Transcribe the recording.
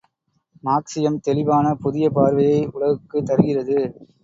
மார்க்சியம் தெளிவான புதிய பார்வையை உலகுக்குத் தருகிறது.